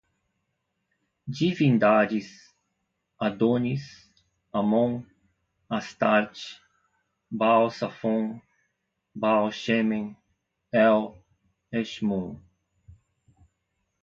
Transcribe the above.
divindades, Adônis, Amon, Astarte, Baal Safon, Baal Shemen, El, Eshmun